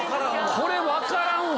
これ分からんわ。